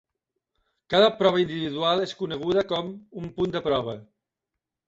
Cada prova individual és coneguda com un punt de prova.